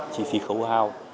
chi phí khấu hao